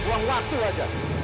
buang buang waktu aja